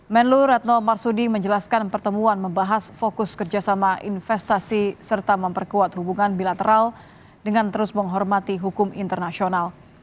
menlu retno marsudi menjelaskan pertemuan membahas fokus kerjasama investasi serta memperkuat hubungan bilateral dengan terus menghormati hukum internasional